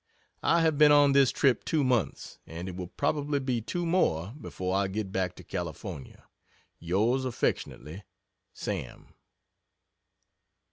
I have been on this trip two months, and it will probably be two more before I get back to California. Yrs affy SAM.